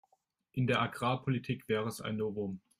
In der Agrarpolitik wäre es ein Novum.